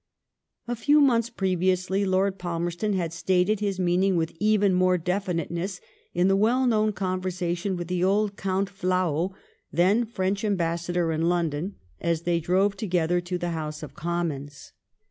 A few months previously. Lord Palmerston had stated his meaning with even more definiteness in the well known conversation with old Count Flahault, thenFrench Ambassador in London, as they drove together to the House of Commons.